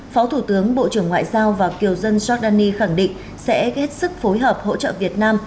phó thủ tướng bộ trưởng ngoại giao và kiều dân giordani khẳng định sẽ ghét sức phối hợp hỗ trợ việt nam